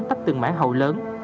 tắt từng mãi hầu lớn